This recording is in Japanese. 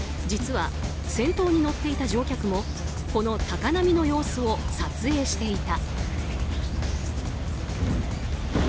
実は、先頭に乗っていた乗客もこの高波の様子を撮影していた。